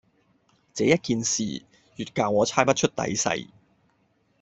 這一件事，越教我猜不出底細。